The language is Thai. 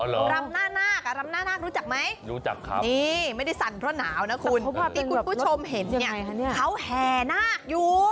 รำนาครำนาครู้จักไหมนี่ไม่ได้สั่นเพราะหนาวนะคุณที่คุณผู้ชมเห็นเนี่ยเขาแหนะอยู่